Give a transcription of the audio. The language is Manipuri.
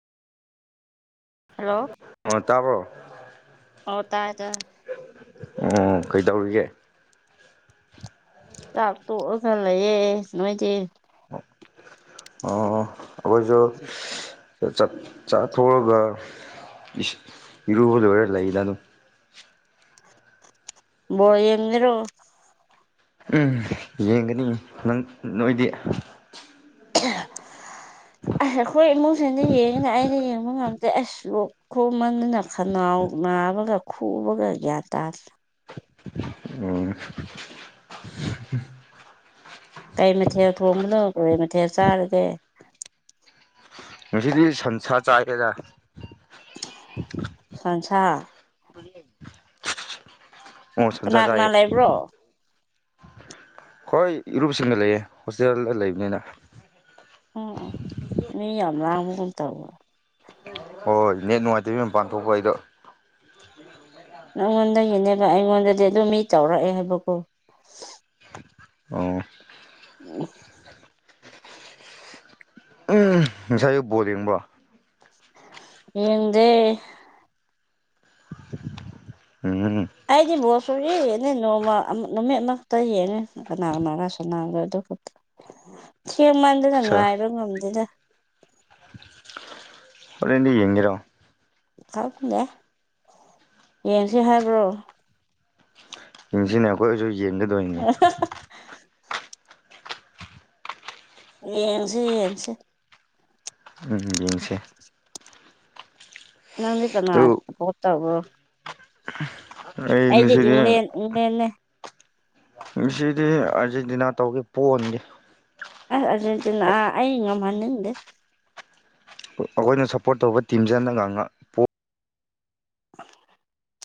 ꯍꯜꯂꯣ ꯑꯣ ꯇꯥꯕ꯭ꯔꯣ ꯑꯣ ꯇꯥꯏ ꯇꯥꯏ ꯑꯣ ꯀꯩ ꯇꯧꯔꯤꯒꯦ ꯆꯥꯛ ꯇꯣꯛꯑꯒ ꯂꯩꯌꯦ ꯅꯣꯏꯗꯤ ꯑꯣ ꯑꯥ ꯑꯩꯈꯣꯏꯁꯨ [inaudible] ꯆꯥꯛ ꯆꯥ ꯇꯣꯛꯑꯒ ꯢꯁ ꯢꯔꯨꯕ ꯂꯣꯢꯔ ꯂꯩꯗ ꯑꯗꯨꯝ ꯕꯣꯜ ꯌꯦꯡꯉꯤꯔꯣ ꯎꯝ ꯌꯦꯡꯒꯅꯤ ꯅꯪ ꯅꯣꯏꯗꯤ ꯑꯩꯈꯣꯏ ꯏꯃꯨꯡꯁꯤꯅ ꯌꯦꯡꯒꯅꯤ ꯑꯩꯗꯤ ꯌꯦꯡꯕ ꯉꯝ ꯑꯁ ꯂꯣꯛ ꯈꯨꯃꯟꯗꯅ ꯈꯅꯥꯎ ꯅꯥꯕꯒ ꯈꯨꯕꯒ ꯒ꯭ꯌꯥꯟ ꯇꯥꯔ꯭ꯗꯦ [unintelligible] ꯑꯣ ꯀꯩ ꯃꯊꯦꯜ ꯊꯣꯡꯕꯅꯣ ꯀꯔꯤ ꯃꯊꯦꯜ ꯆꯥꯔꯒꯦ ꯉꯁꯤꯗꯤ ꯁꯟꯁꯥ ꯆꯥꯏꯌꯦꯗ ꯁꯟꯁꯥ ꯕꯨꯂꯤꯂꯦꯟ ꯀꯅꯥ ꯀꯅꯥ ꯂꯩꯕ꯭ꯔꯣ ꯈ‌ꯣꯏ ꯏꯔꯨꯞꯁꯤꯡꯒ ꯂꯩꯌꯦ ꯍꯣꯁꯇꯦꯜꯗ ꯂꯩꯕꯅꯤꯅ ꯎꯝꯎꯝ ꯃꯤ ꯌꯥꯝ ꯂꯥꯡꯕꯒꯨꯝ ꯇꯧ ꯍꯣꯏ ꯅꯦꯠ ꯅꯨꯉꯥꯏꯇꯕꯩ ꯃꯄꯥꯟ ꯊꯣꯛꯄ ꯑꯩꯗꯣ ꯅꯉꯣꯟꯗꯒꯤꯅꯦꯕ ꯑꯩꯉꯣꯟꯗꯗꯤ ꯑꯗꯨꯝ ꯃꯤ ꯇꯧꯔꯛꯑꯦ ꯍꯥꯏꯕꯀꯣ ꯑꯣ [unintelligible] ꯎꯝ ꯉꯁꯥꯏ ꯑꯌꯨꯛ ꯕꯣꯜ ꯌꯦꯡꯕ꯭ꯔꯣ ꯌꯦꯡꯗꯦ [unintelligible] ꯑꯩꯗꯤ ꯕꯣꯜ ꯁꯨꯛꯌꯦ ꯌꯦꯟꯅ‌ꯦ ꯅꯣꯡꯃꯥ ꯑꯝ ꯅꯨꯃꯤꯠ ꯑꯅꯥꯈꯛꯇ ꯌꯦꯡꯉꯦ ꯀꯅꯥ ꯀꯅꯥꯔ ꯁꯅꯥꯕꯗ‌ꯣ ꯊꯦꯡꯃꯟꯗꯅ ꯑꯠꯆꯥ ꯉꯥꯏꯕ ꯉꯝꯗꯦꯗ ꯍꯣꯔꯦꯟꯗꯤ ꯌꯦꯡꯒꯦꯔꯣ ꯈꯪꯗꯦ ꯌꯦꯡꯁꯤ ꯍꯥꯏꯕ꯭ꯔꯣ ꯌꯦꯡꯁꯤꯅꯦ ꯑꯈꯣꯏꯖꯨ ꯌꯦꯡꯒ [unintelligible] ꯌꯦꯡꯁꯦ ꯌꯦꯡꯁꯦ ꯎꯝ ꯌꯦꯡꯁꯦ ꯅꯪꯗꯤ ꯀꯅꯥ ꯑꯗꯨ ꯁꯄꯣꯠ ꯇꯧꯕ꯭ꯔꯣ ꯑꯩ ꯑꯩꯗꯤ ꯉꯁꯤꯗꯤ ꯏꯪꯂꯦꯟ ꯏꯪꯂꯦꯟꯅꯦ ꯉꯁꯤꯗꯤ ꯑꯔꯖꯦꯟꯇꯤꯅꯥ ꯇꯧꯒꯦ ꯄꯣꯍꯟꯒꯦ ꯑꯍ ꯑꯔꯖꯦꯟꯇꯤꯅꯥ ꯑꯩ ꯉꯝꯍꯟꯅꯤꯡꯗꯦ ꯑꯈꯣꯏꯅ ꯁꯞꯄꯣꯔꯠ ꯇꯧꯕ ꯇꯤꯝꯖ‌ꯦ ꯅꯪ ꯉꯥꯡꯉ ꯄꯣ [inaudible]